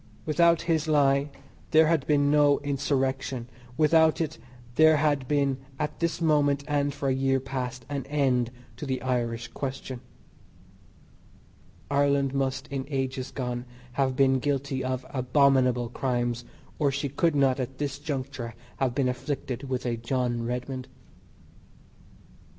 Without his lie there had been no Insurrection; without it there had been at this moment, and for a year past, an end to the "Irish question." Ireland must in ages gone have been guilty of abominable crimes or she could not at this juncture have been afflicted with a John Redmond.